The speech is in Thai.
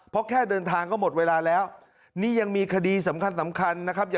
เพราะแค่เดินทางก็หมดเวลาแล้วนี่ยังมีคดีสำคัญสำคัญนะครับ